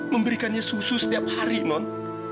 memberikannya susu setiap hari non